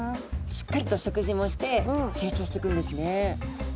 しっかりと食事もして成長していくんですね。